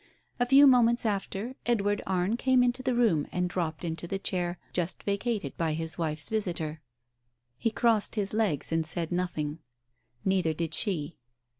A few moments after, Edward Arne came into the room and dropped into the chair just vacated by his wife's visitor. He crossed his legs and said nothing. Neither did she.